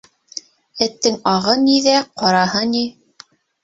Эттең ағы ни ҙә, ҡараһы ни!